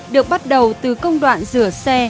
được bắt đầu từ công đoạn rửa xe